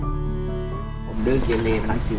ถ้าเราต้องได้จริงผสมกิน